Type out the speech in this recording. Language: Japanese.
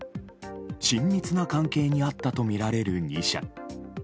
親密な関係にあったとみられる２社。